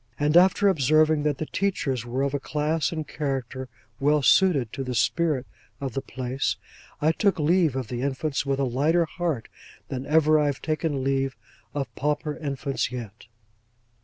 And after observing that the teachers were of a class and character well suited to the spirit of the place, I took leave of the infants with a lighter heart than ever I have taken leave of pauper infants yet.